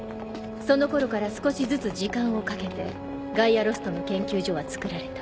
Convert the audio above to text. その頃から少しずつ時間をかけてガイアロストの研究所は造られた。